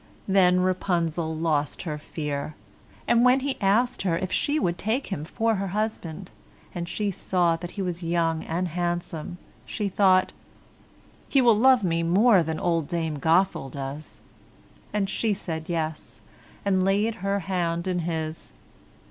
Then Rapunzel lost her fear, and when he asked her if she would take him for a husband, and she saw that he was young and handsome, she thought, "He will love me more than old Dame Gothel does;" and she said yes, and laid her hand in his.